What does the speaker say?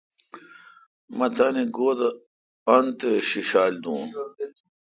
مہ تانی گو°تہ ان تے°ݭیݭال دون۔